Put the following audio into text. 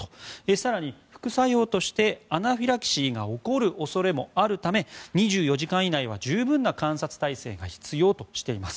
更に副作用としてアナフィラキシーが起こる恐れもあるため２４時間以内は十分な観察体制が必要としています。